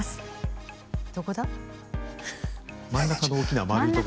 どこだ？